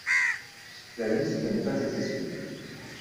La liste n’est pas exhaustive.